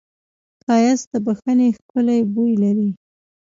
ښایست د بښنې ښکلی بوی لري